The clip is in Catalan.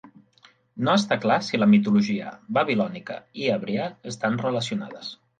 No està clar si la mitologia babilònica i hebrea estan relacionades.